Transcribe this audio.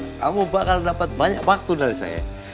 kamu bakal dapat banyak waktu dari saya